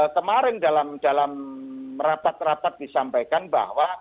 kemarin dalam rapat rapat disampaikan bahwa